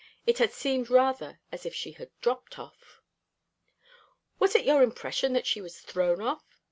It had seemed rather as if she had dropped off. "Was it your impression that she was thrown off?"